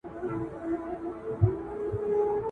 که ته غواړې نو زه به ستا د هیلو لپاره دعا وکړم.